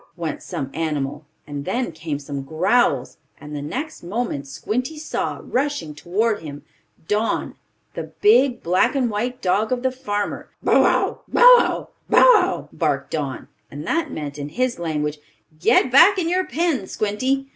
went some animal, and then came some growls, and the next moment Squinty saw, rushing toward him Don, the big black and white dog of the farmer. "Bow wow! Bow wow! Bow wow!" barked Don, and that meant, in his language: "Get back in your pen, Squinty!